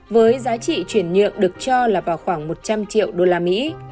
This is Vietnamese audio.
với giá trị chuyển nhượng được cho là vào khoảng một trăm linh triệu usd